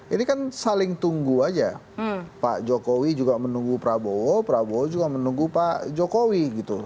ini kan saling tunggu aja pak jokowi juga menunggu prabowo prabowo juga menunggu pak jokowi gitu